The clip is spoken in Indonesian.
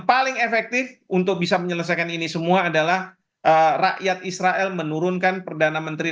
paling efektif untuk bisa menyelesaikan ini semua adalah rakyat israel menurunkan perdana menteri